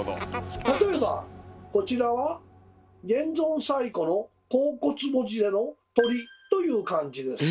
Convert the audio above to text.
例えばこちらは現存最古の甲骨文字での「鳥」という漢字です。